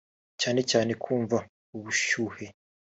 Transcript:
cyane cyane kumva ubushyuhe